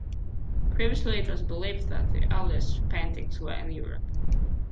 Previously it was believed that the earliest paintings were in Europe.